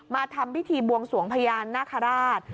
มาทำพิธีบวงสวงพญานาคาราช